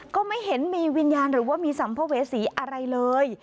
ก็ไม่เห็นมีวิญญาณหรือว่ามีสัมภเวษีอะไรเลย